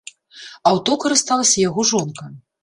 Аўто карысталася яго жонка.